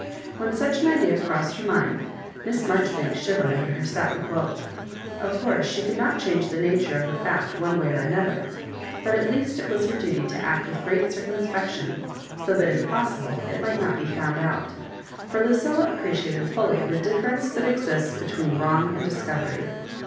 When such an idea crossed her mind. Miss Marjoribanks shiv ered under her satin quilt Of course she could not change the nature of the fact one way or another ; but, at least, it was her duty to act with great circumspection, so that if possible it might not be found out — for Lucilla appreciated fully the differonciB that exists between wrong and discovery.